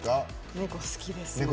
猫好きですね。